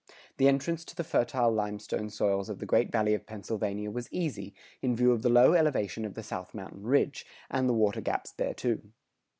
[100:3] The entrance to the fertile limestone soils of the Great Valley of Pennsylvania was easy, in view of the low elevation of the South Mountain ridge, and the watergaps thereto.